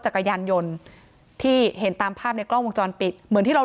จักรยานยนต์ที่เห็นตามภาพในกล้องวงจรปิดเหมือนที่เรา